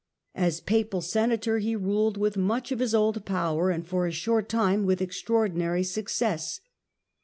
As Papal Senator he ruled with much of his old power and for a short time with extra ordinary success.